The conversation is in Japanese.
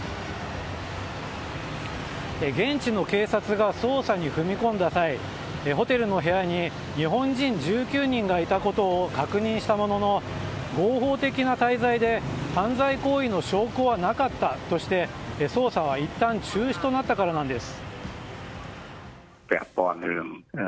現地の警察が捜査に踏み込んだ際ホテルの部屋に日本人１９人がいたことを確認したものの、合法的な滞在で犯罪行為の証拠はなかったとして捜査はいったん中止となったからなんです。